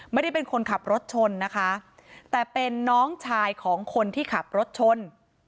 ไม่ได้เป็นคนขับรถชนนะคะแต่เป็นน้องชายของคนที่ขับรถชน